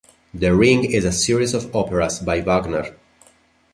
“The Ring” is a series of operas by Wagner.